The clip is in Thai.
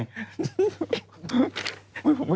ผมอยู่ว่าทำไม